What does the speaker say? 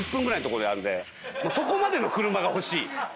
そこまでの車が欲しい。